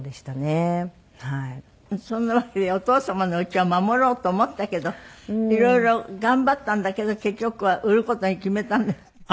そんなわけでお父様のお家は守ろうと思ったけど色々頑張ったんだけど結局は売る事に決めたんですって。